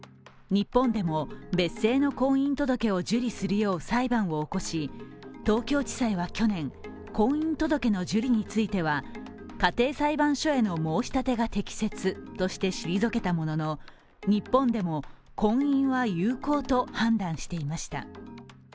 日本でも別姓の婚姻届を受理するよう裁判を起こし、東京地裁は去年、婚姻届の受理については家庭裁判所への申し立てが適切として退けたものの、日本でも婚姻は有効と判断していました。